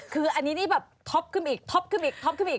คืออันนี้ท็อปขึ้นอีกท็อปขึ้นอีก